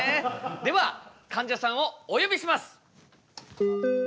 ではかんじゃさんをお呼びします！